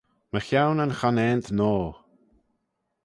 Mychione yn Chonaant Noa.